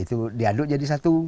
itu diaduk jadi satu